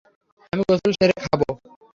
আমি গোসল সেরে খাবো।